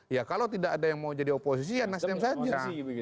ya kalau tidak ada yang mau jadi oposisi ya nasdem saja